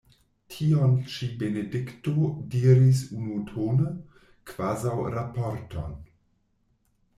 Tion ĉi Benedikto diris unutone, kvazaŭ raporton.